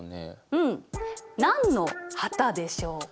うん何の旗でしょうか？